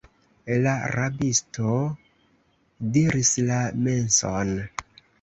La rabisto diris la meson!